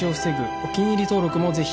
お気に入り登録もぜひ